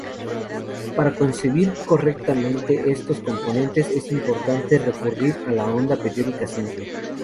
Para concebir correctamente estos componentes es importante recurrir a la "onda periódica simple".